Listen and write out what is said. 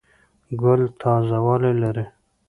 ګل تازه والی لري.